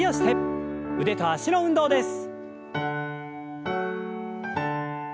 腕と脚の運動です。